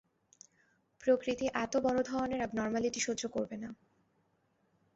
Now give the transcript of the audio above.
প্রকৃতি এত বড় ধরনের অ্যাবনর্ম্যালিটি সহ্য করবে না।